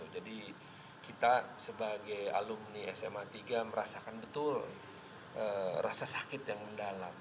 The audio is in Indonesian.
jadi kita sebagai alumni sma tiga merasakan betul rasa sakit yang mendalam